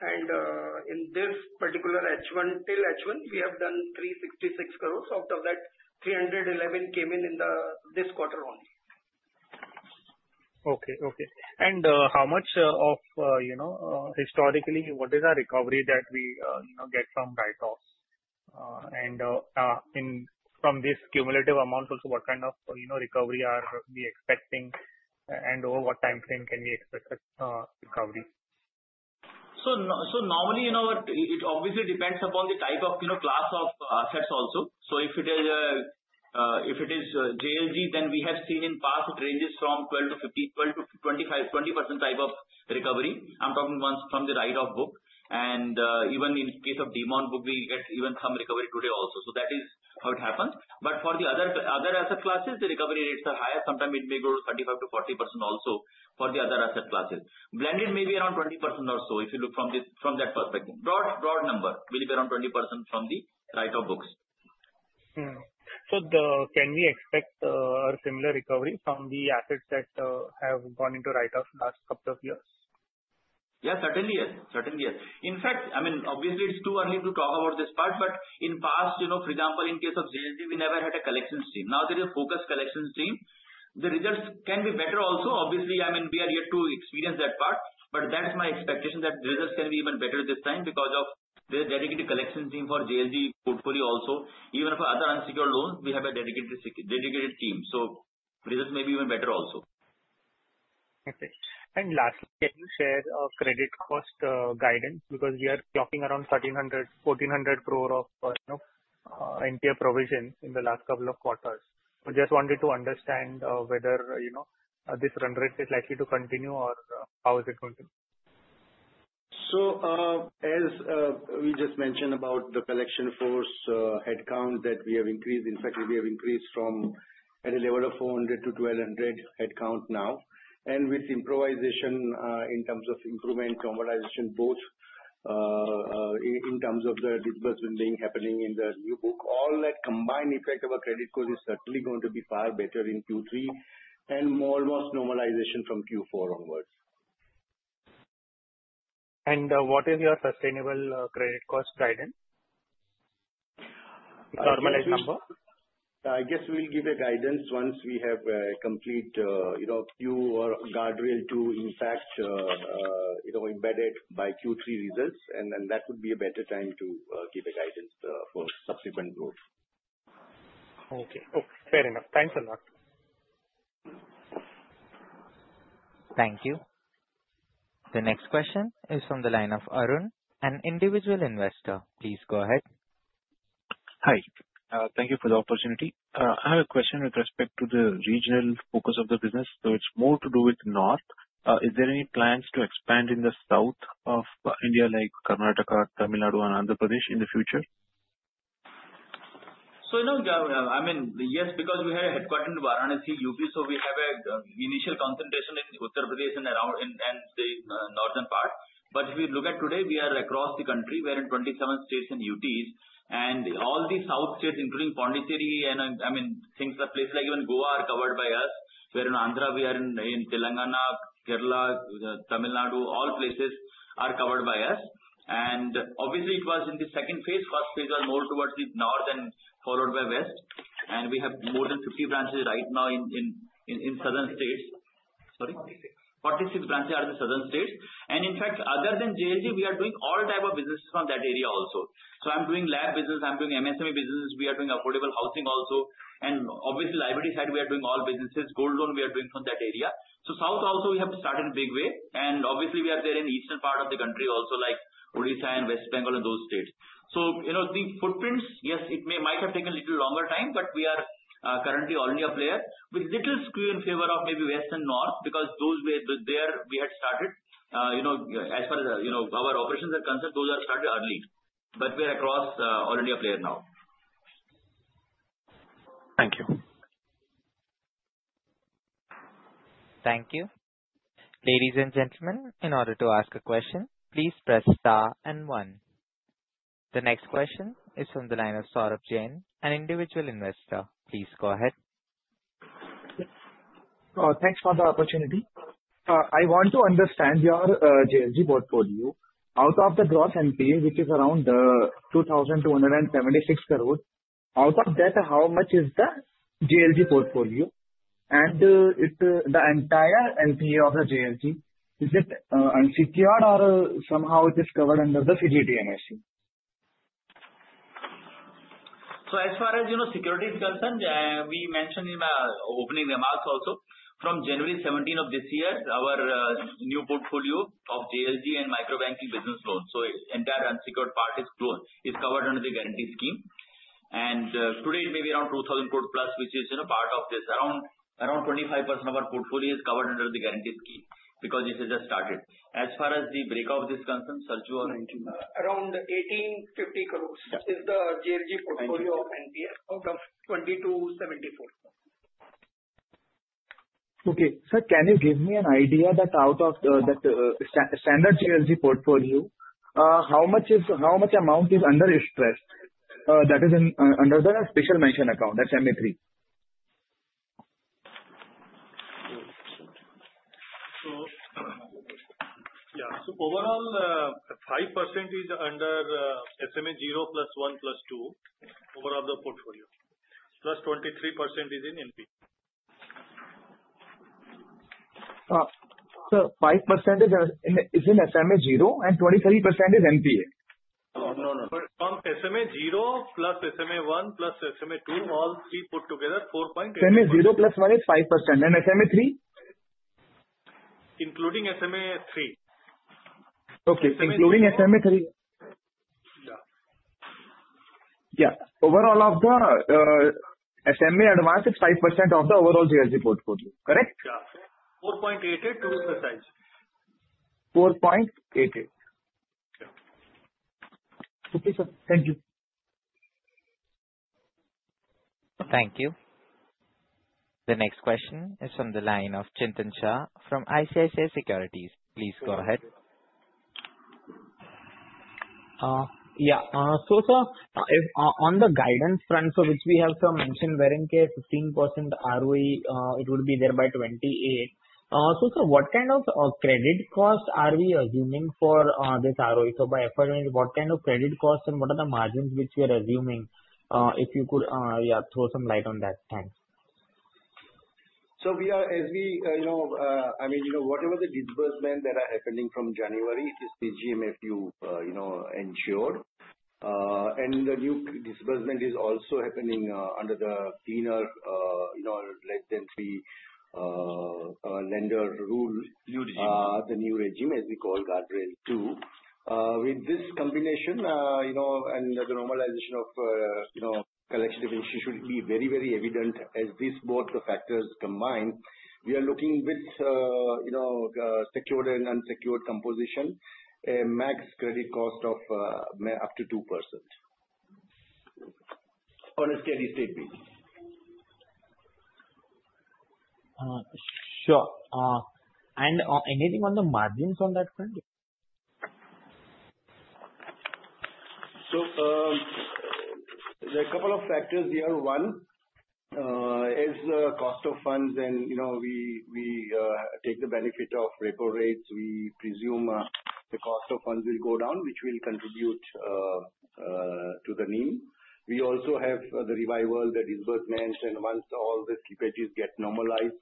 write-offs. In this particular H1 till H1, we have done 366 crore. Out of that, 311 crore came in in this quarter only. Okay. Okay. Historically, what is our recovery that we get from write-offs? From this cumulative amount, also what kind of recovery are we expecting? Over what time frame can we expect recovery? Normally, it obviously depends upon the type of class of assets also. If it is JLG, then we have seen in past, it ranges from 12%-15%, 12%-25%, 20% type of recovery. I'm talking once from the write-off book. Even in case of demand book, we get even some recovery today also. That is how it happens. But for the other asset classes, the recovery rates are higher. Sometimes it may go to 35%-40% also for the other asset classes. Blended may be around 20% or so if you look from that perspective. Broad number, maybe around 20% from the write-off books. So can we expect a similar recovery from the assets that have gone into write-offs last couple of years? Yeah, certainly yes. Certainly yes. In fact, I mean, obviously, it's too early to talk about this part. But in past, for example, in case of JLG, we never had a collection stream. Now there is a focused collection stream. The results can be better also. Obviously, I mean, we are yet to experience that part. But that's my expectation that the results can be even better this time because of the dedicated collection team for JLG portfolio also. Even for other unsecured loans, we have a dedicated team. So results may be even better also. Okay. And lastly, can you share a credit cost guidance? Because we are clocking around 1,400 crore of NPA provision in the last couple of quarters. We just wanted to understand whether this run rate is likely to continue or how is it going to? So as we just mentioned about the collection force headcount that we have increased, in fact, we have increased from at a level of 400 to 1,200 headcount now. And with improvisation in terms of improvement, normalization, both in terms of the disbursement being happening in the new book, all that combined effect of a credit cost is certainly going to be far better in quarter 3 and almost normalization from quarter 4 onwards. And what is your sustainable credit cost guidance? Normalized number? I guess we'll give a guidance once we have complete quarter 4 guardrail impact embedded by quarter 3 results, and then that would be a better time to give a guidance for subsequent growth. Okay. Okay. Fair enough. Thanks a lot. Thank you. The next question is from the line of Arun, an Individual Investor. Please go ahead. Hi. Thank you for the opportunity. I have a question with respect to the regional focus of the business, so it's more to do with north. Is there any plans to expand in the south of India like Karnataka, Tamil Nadu, and Andhra Pradesh in the future? So no, I mean, yes, because we had a headquarters in Varanasi, UP. We have an initial concentration in Uttar Pradesh and the northern part. But if you look at today, we are across the country wherein 27 states and UTs. All the south states, including Puducherry and, I mean, things like places like even Goa are covered by us. We are in Andhra Pradesh, we are in Telangana, Kerala, Tamil Nadu. All places are covered by us. It was in the second phase. First phase was more towards the north and followed by west. We have more than 50 branches right now in southern states. 46. 46 branches are in the southern states. In fact, other than JLG, we are doing all type of businesses from that area also. We are doing LAP business. We are doing MSME business. We are doing affordable housing also. Obviously, liability side, we are doing all businesses. Gold loans, we are doing from that area. South also, we have started big way. And obviously, we are there in the eastern part of the country also, like Odisha and West Bengal and those states. So the footprints, yes, it might have taken a little longer time, but we are currently already a player with little skew in favor of maybe west and north because those were there we had started. As far as our operations are concerned, those are started early. But we are across already a player now. Thank you. Thank you. Ladies and gentlemen, in order to ask a question, please press star and one. The next question is from the line of Saurabh Jain, an Individual Investor. Please go ahead. Thanks for the opportunity. I want to understand your JLG portfolio. Out of the gross NPA, which is around 2,276 crore, out of that, how much is the JLG portfolio? And the entire NPA of the JLG, is it unsecured or somehow it is covered under the CGFMU? So as far as security is concerned, we mentioned in my opening remarks also, from January 17 of this year, our new portfolio of JLG and Microbanking Business Loans. So the entire unsecured part is covered under the guarantee scheme. And today, it may be around 2,000 crore plus, which is part of this. Around 25% of our portfolio is covered under the guarantee scheme because this has just started. As far as the breakup of this concern, sir, usual, around 1,850 crore is the JLG portfolio of NPA out of 2,274. Okay. Sir, can you give me an idea that out of that standard JLG portfolio, how much amount is under stress that is under the special mention account, that's SMA-2? Yeah. So overall, 5% is under SMA-0 plus 1 plus 2 overall of the portfolio. Plus 23% is in NPA. Sir, 5% is in SMA-0 and 23% is NPA? No, no, no. SMA-0 plus SMA-1 plus SMA-2, all three put together, 4.8%. SMA-0 plus 1 is 5%. And SMA-3? Including SMA-3. Okay. Including SMA-3. Yeah. Overall of the SMA advance, it's 5% of the overall JLG portfolio. Correct? Yeah. 4.88% of the size. 4.88%. Okay. Thank you. Thank you. The next question is from the line of Chintan Shah from ICICI Securities. Please go ahead. Yeah. So sir, on the guidance front for which we have mentioned where in case 15% ROE, it would be there by 28. So sir, what kind of credit cost are we assuming for this ROE? So by FY, what kind of credit cost and what are the margins which we are assuming if you could, yeah, throw some light on that? Thanks. So as we, I mean, whatever the disbursement that are happening from January, it is the CGFMU insured. And the new disbursement is also happening under the cleaner, less than three lender rule. New regime. The new regime, as we call Guardrail 2.0. With this combination and the normalization of collection efficiency should be very, very evident as these both factors combine. We are looking with secured and unsecured composition, max credit cost of up to 2% on a steady state basis. Sure. And anything on the margins on that front? So there are a couple of factors here. One, as the cost of funds and we take the benefit of repo rates, we presume the cost of funds will go down, which will contribute to the NIM. We also have the revival that is worth mentioning once all the slippages get normalized,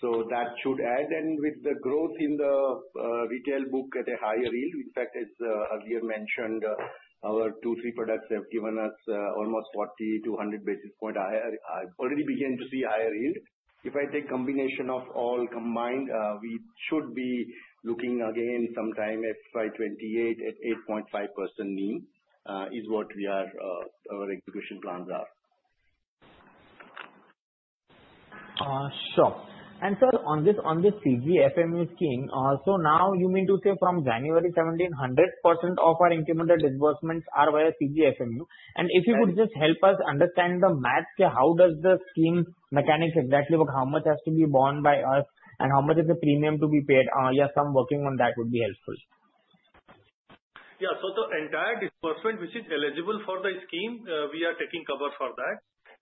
so that should add. And with the growth in the retail book at a higher yield, in fact, as earlier mentioned, our two or three products have given us almost 40 to 100 basis points higher. I already began to see higher yield. If I take combination of all combined, we should be looking again sometime at FY 2028 at 8.5% NIM is what our execution plans are. Sure. And sir, on the CGFMU scheme, so now you mean to say from January 17, 100% of our incremental disbursements are via CGFMU. And if you could just help us understand the math, how does the scheme mechanics exactly work? How much has to be borne by us and how much is the premium to be paid? Yeah, some working on that would be helpful. Yeah. So the entire disbursement, which is eligible for the scheme, we are taking cover for that.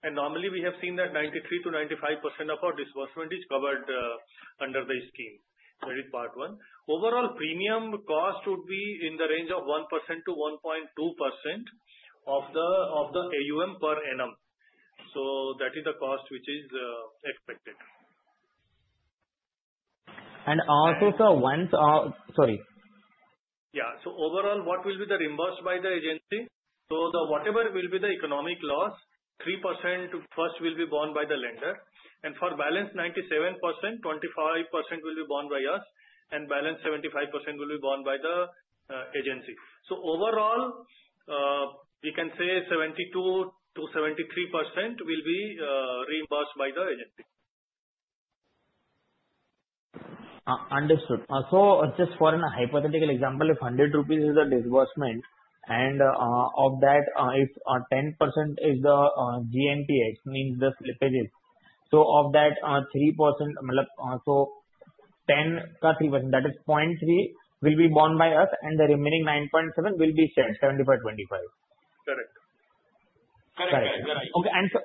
And normally, we have seen that 93%-95% of our disbursement is covered under the scheme. That is part one. Overall, premium cost would be in the range of 1%-1.2% of the AUM per annum. So that is the cost which is expected. And also sir, once sorry. Yeah. So overall, what will be the reimbursed by the agency? So whatever will be the economic loss, 3% first will be borne by the lender. And for balance, 97%, 25% will be borne by us. And balance 75% will be borne by the agency. So overall, we can say 72-73% will be reimbursed by the agency. Understood. So just for a hypothetical example, if 100 rupees is the disbursement and of that, if 10% is the GNPA, means the slippages. So of that 3%, so 10%, that is 0.3 will be borne by us and the remaining 9.7 will be shared 75-25. Correct. Correct. Correct. Okay. And so,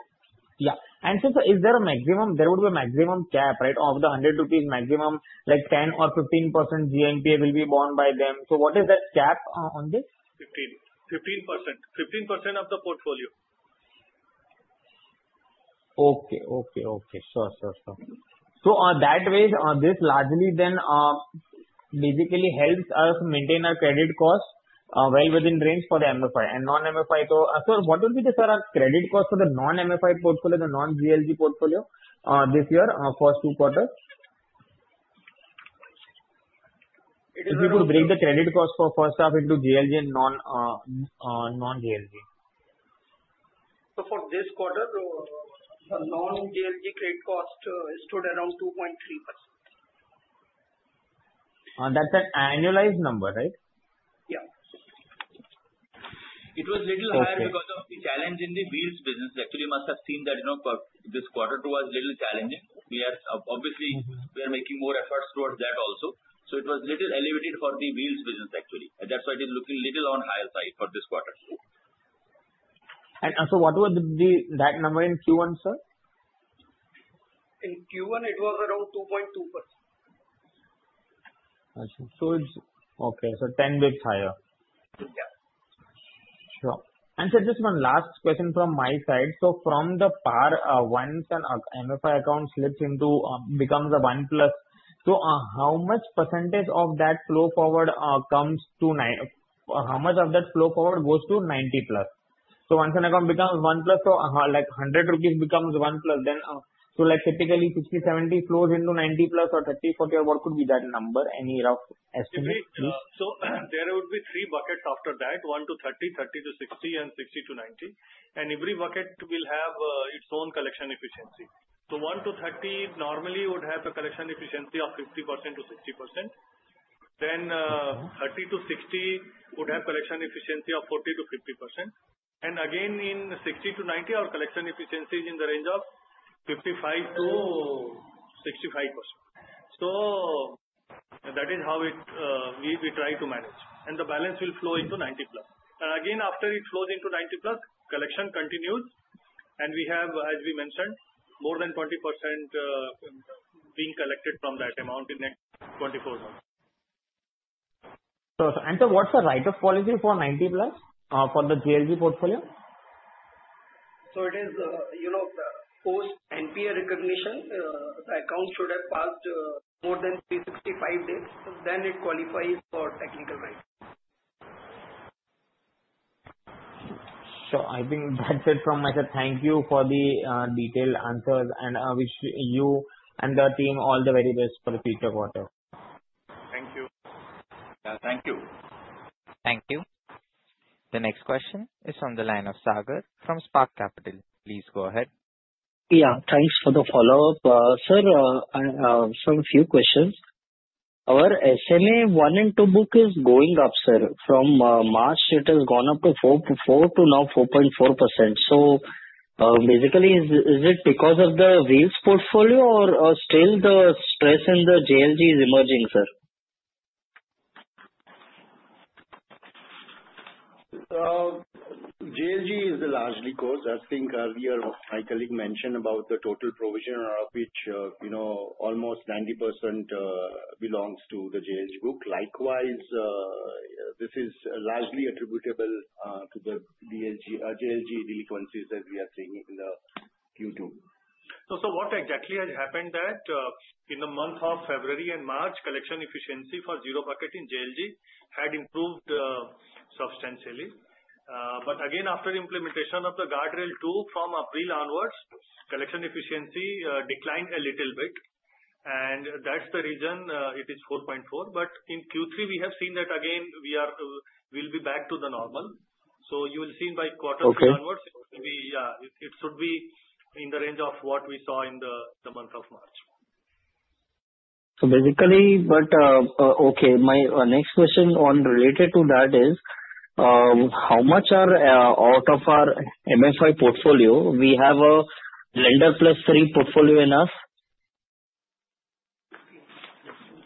yeah. And so, sir, is there a maximum? There would be a maximum cap, right? Of the 100 rupees maximum, like 10-15% GNPA will be borne by them. So what is that cap on this? 15%. 15% of the portfolio. Okay. Okay. Okay. Sure. Sure. Sure. So that way, this largely then basically helps us maintain our credit cost well within range for the MFI and non-MFI. Sir, what would be the credit cost for the non-MFI portfolio, the non-JLG portfolio this year for two quarters? If you could break the credit cost for first half into JLG and non-JLG. For this quarter, the non-JLG credit cost stood around 2.3%. That's an annualized number, right? Yeah. It was a little higher because of the challenge in the Wheels business. Actually, you must have seen that this quarter too was a little challenging. Obviously, we are making more efforts towards that also. It was a little elevated for the Wheels business, actually. That's why it is looking a little on the higher side for this quarter. And so what was that number in Q1, sir? In Q1, it was around 2.2%. It's okay. 10 basis points higher. Yeah. Sure. And sir, just one last question from my side. From the once an MFI account slips into becomes a one plus, how much percentage of that flow forward comes to how much of that flow forward goes to 90 plus? Once an account becomes one plus, like 100 rupees becomes one plus, then like typically 60-70 flows into 90 plus or 30-40, or what could be that number, any rough estimate? There would be three buckets after that, one to 30, 30 to 60, and 60 to 90. Every bucket will have its own collection efficiency. One to 30 normally would have a collection efficiency of 50%-60%. Then 30 to 60 would have collection efficiency of 40%-50%. Again, in 60 to 90, our collection efficiency is in the range of 55%-65%. That is how we try to manage. The balance will flow into 90 plus. Again, after it flows into 90 plus, collection continues. We have, as we mentioned, more than 20% being collected from that amount in the next 24 months. Sir, what's the write-off policy for 90 plus for the JLG portfolio? So it is post NPA recognition. The account should have passed more than 365 days. Then it qualifies for technical write-off. Sure. I think that's it from my side. Thank you for the detailed answers. I wish you and the team all the very best for the future quarter. Thank you. Thank you. Thank you. The next question is from the line of Sagar from Spark Capital. Please go ahead. Yeah. Thanks for the follow-up. Sir, I have a few questions. Our SMA one and two book is going up, sir. From March, it has gone up to 4% to now 4.4%. So basically, is it because of the wheels portfolio or still the stress in the JLG is emerging, sir? JLG is largely caused. I think earlier my colleague mentioned about the total provision of which almost 90% belongs to the JLG book. Likewise, this is largely attributable to the JLG delinquencies that we are seeing in the Q2. So sir, what exactly has happened that in the month of February and March, collection efficiency for zero bucket in JLG had improved substantially. But again, after implementation of the Guardrail 2.0 from April onwards, collection efficiency declined a little bit. And that's the reason it is 4.4%. But in quarter 3, we have seen that again we will be back to the normal. So you will see by quarters onwards, it should be in the range of what we saw in the month of March. So basically, but okay, my next question related to that is how much out of our MFI portfolio we have a lender plus three portfolio enough?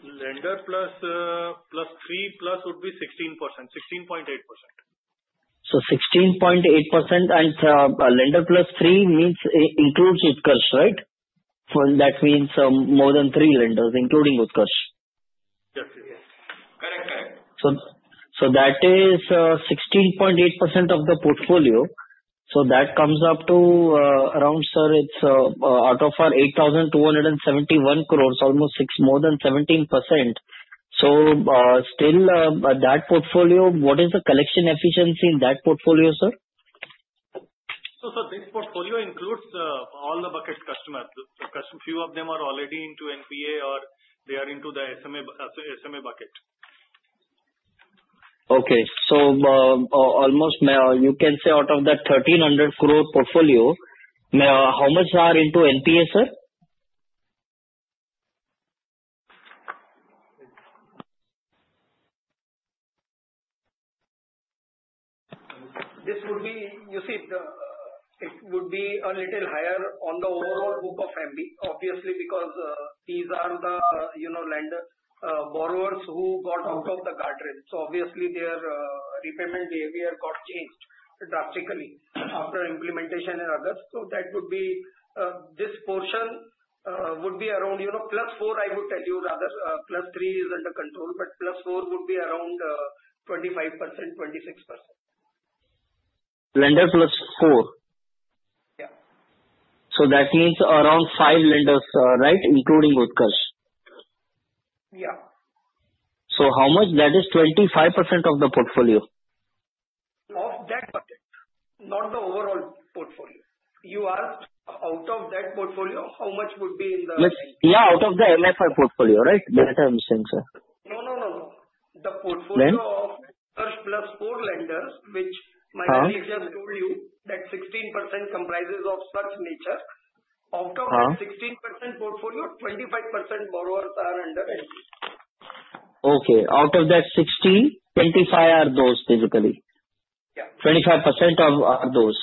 Lender plus three plus would be 16%, 16.8%. So 16.8% and lender plus three means includes Utkarsh, right? That means more than three lenders, including Utkarsh. Yes. Correct. Correct. So that is 16.8% of the portfolio. So that comes up to around, sir, it's out of our 8,271 crores, almost more than 17%. So still that portfolio, what is the collection efficiency in that portfolio, sir? So sir, this portfolio includes all the bucket customers. Few of them are already into NPA or they are into the SMA bucket. Okay. So almost you can say out of that 1,300 crore portfolio, how much are into NPA, sir? This would be, you see, it would be a little higher on the overall book of MB, obviously, because these are the lender borrowers who got out of the Guardrail. So obviously, their repayment behavior got changed drastically after implementation in August. So that would be this portion would be around plus four, I would tell you rather. Plus three is under control, but plus four would be around 25%, 26%. Lender plus four. Yeah. So that means around five lenders, right? Including Utkarsh. Yeah. So how much that is 25% of the portfolio? Of that bucket, not the overall portfolio. You asked out of that portfolio, how much would be in the? Yeah, out of the MFI portfolio, right? That I'm saying, sir. No, no, no, no. The portfolio of plus four lenders, which my colleague just told you that 16% comprises of such nature. Out of that 16% portfolio, 25% borrowers are under NPA. Okay. Out of that 16, 25 are those physically. 25% are those.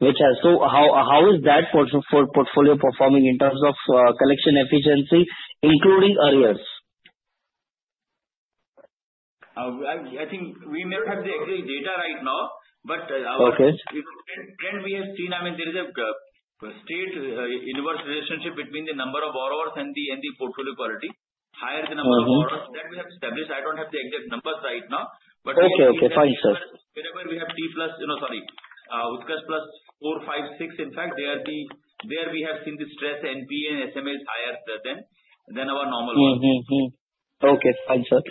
So how is that portfolio performing in terms of collection efficiency, including arrears? I think we may not have the exact data right now, but when we have seen, I mean, there is a straight inverse relationship between the number of borrowers and the portfolio quality. Higher the number of borrowers, that we have established. I don't have the exact numbers right now, but. Okay. Okay. Fine. Sir. Wherever we have T plus, sorry, Utkarsh plus 4, 5, 6, in fact, there we have seen the stress NPA and SMA is higher than our normal one. Okay. Fine. Sir.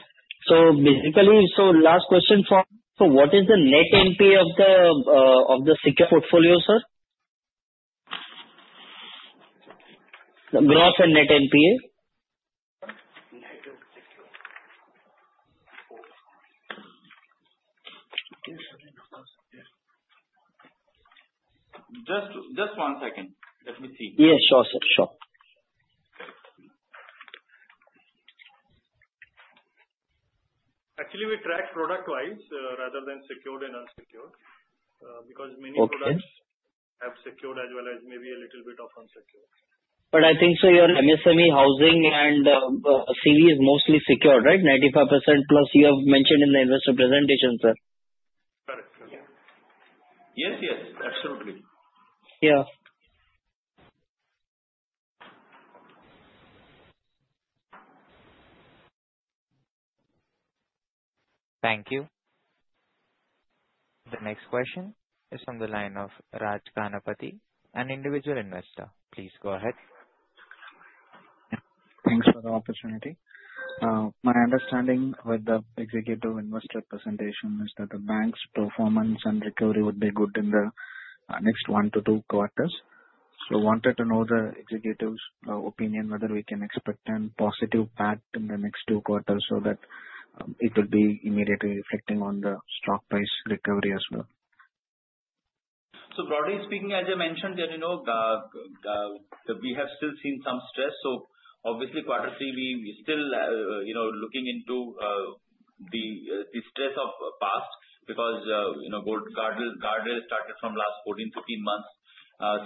So basically, last question for what is the net NPA of the secured portfolio, sir? Gross and net NPA? Just one second. Let me see. Yeah. Sure, sir. Sure. Actually, we track product-wise rather than secured and unsecured because many products have secured as well as maybe a little bit of unsecured. But I think, sir, your MSME housing and CV is mostly secured, right? 95% plus you have mentioned in the investor presentation, sir. Correct. Correct. Yes. Yes. Absolutely. Yeah. Thank you. The next question is from the line of Raj Ganapati, an Individual Investor. Please go ahead. Thanks for the opportunity. My understanding with the executive investor presentation is that the bank's performance and recovery would be good in the next one to two quarters. Wanted to know the executive's opinion whether we can expect a positive path in the next two quarters so that it would be immediately reflecting on the stock price recovery as well. So broadly speaking, as I mentioned, we have still seen some stress. So obviously, quarter three, we're still looking into the stress of past because Guardrail started from last 14, 15 months.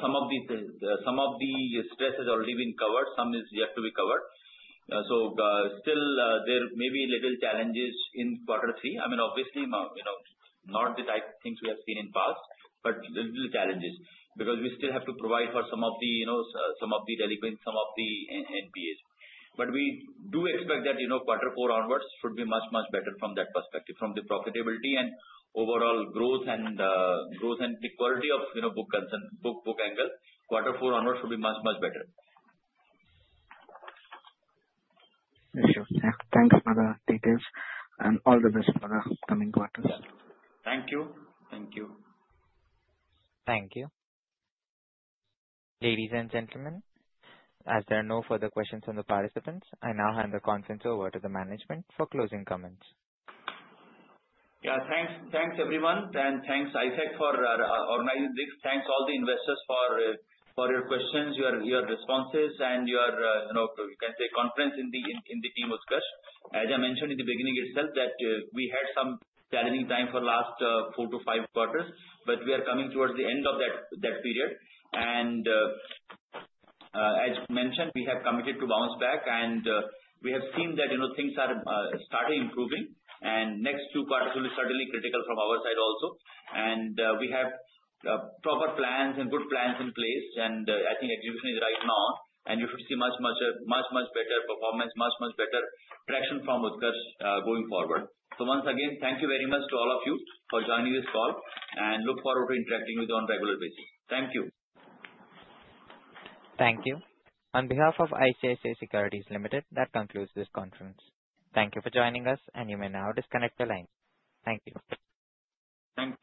Some of the stress has already been covered. Some is yet to be covered. So still, there may be little challenges in quarter three. I mean, obviously, not the type of things we have seen in past, but little challenges because we still have to provide for some of the delinquencies, some of the NPAs. But we do expect that quarter four onwards should be much, much better from that perspective, from the profitability and overall growth and the quality of book angle. Quarter four onwards should be much, much better. For sure. Thanks for the details, and all the best for the coming quarters. Thank you. Thank you. Thank you. Ladies and gentlemen, as there are no further questions from the participants, I now hand the conference over to the management for closing comments. Yeah. Thanks, everyone, and thanks, ICICI Securities, for organizing this. Thanks all the investors for your questions, your responses, and your, you can say, confidence in the team of Utkarsh. As I mentioned in the beginning itself, that we had some challenging time for the last four to five quarters, but we are coming towards the end of that period. And as mentioned, we have committed to bounce back, and we have seen that things are starting improving. And next two quarters will be certainly critical from our side also. We have proper plans and good plans in place, and I think execution is right now. You should see much, much better performance, much, much better traction from Utkarsh going forward. Once again, thank you very much to all of you for joining this call, and look forward to interacting with you on a regular basis. Thank you. Thank you. On behalf of ICICI Securities Limited, that concludes this conference. Thank you for joining us, and you may now disconnect the line. Thank you. Thank you.